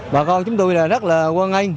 bà con chúng tôi là rất là quân anh